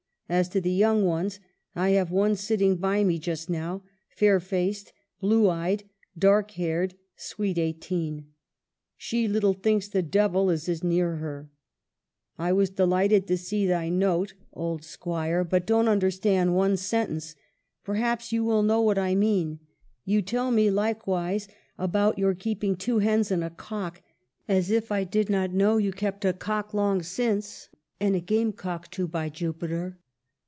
As to the young ones, I have one sitting by me just now, fair faced, blue eyed, dark haired, sweet eighteen. She little thinks the Devil is as near her. I was delighted to see thy note, old Squire, 86 EMILY BRONTE. but don't understand one sentence — perhaps you will know what I mean. You tell me like wise about your keeping two hens and a cock, as if I did not know you kept a cock long since, and a game cock too, by Jupiter!